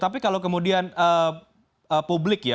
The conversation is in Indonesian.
tapi kalau kemudian publik ya